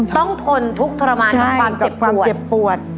ต้องทนทุกข์ทรมานกับความเจ็บปวด